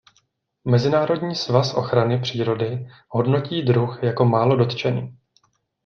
Mezinárodní svaz ochrany přírody hodnotí druh jako málo dotčený.